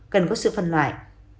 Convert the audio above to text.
cần có sự phân loại